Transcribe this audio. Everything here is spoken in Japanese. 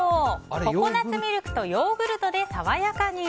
ココナツミルク＋ヨーグルトで爽やかに。